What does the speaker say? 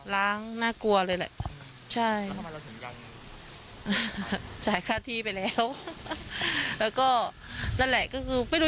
ร้างน่ากลัวเลยแหละ